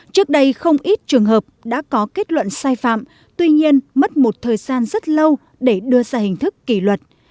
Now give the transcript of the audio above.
trước đây không ít trường hợp đã có kết luận sai phạm tuy nhiên mất một thời gian rất lâu để đưa ra hình thức kỷ luật